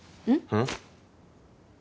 うん？